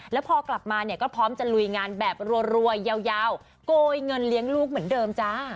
แล้วพอกลับมาเนี่ยก็พร้อมจะลุยงานแบบรัวยาวโกยเงินเลี้ยงลูกเหมือนเดิมจ้า